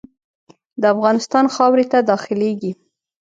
د افغانستان خاورې ته داخلیږي.